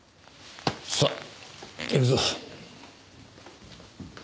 さあ行くぞ。